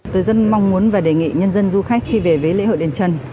tôi rất mong muốn và đề nghị nhân dân du khách khi về với lễ hội đền trần